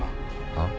あっ？